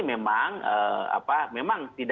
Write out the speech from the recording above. memang apa memang